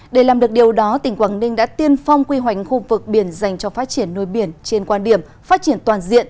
để làm được điều đó tỉnh quảng ninh đã tiên phong quy hoành khu vực biển dành cho phát triển nuôi biển trên quan điểm phát triển toàn diện